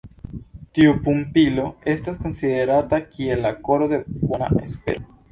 Tiu pumpilo estas konsiderata kiel la koro de Bona Espero.